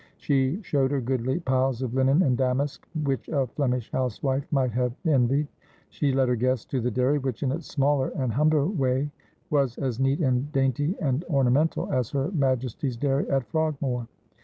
She showed her goodly piles of linen and damask, which a Flemish housewife might have en vied. She led her guests to the dairy, which in its smaller and humbler way was as neat and dainty and ornamental as Her Majesty's dairy at Frogmore.